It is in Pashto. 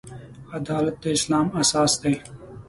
عدالت د اسلام اساس دی.